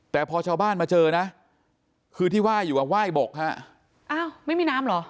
แต่พอชาวบ้านมาเจอนะคือที่ไหว้อยู่อ่ะไหว้บกฮะอ้าวไม่มีน้ำเหรอ